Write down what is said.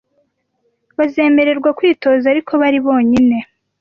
bazemererwa kwitoza ariko bari bonyine